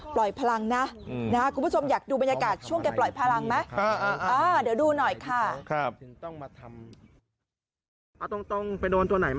พลังนะคุณผู้ชมอยากดูบรรยากาศช่วงแกปล่อยพลังไหม